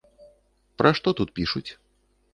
Пра што тут пішуць?